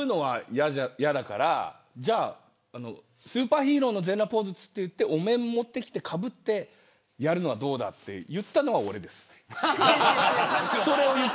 じゃあ、スーパーヒーローの全裸ポーズと言ってお面持ってきてかぶってやるのはどうだと言ったのは俺です。